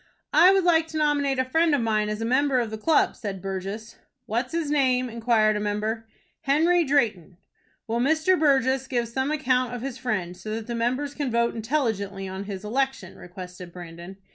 "I would like to nominate a friend of mine as a member of the club," said Burgess. "What's his name?" inquired a member. "Henry Drayton." "Will Mr. Burgess give some account of his friend, so that the members can vote intelligently on his election?" requested Brandon.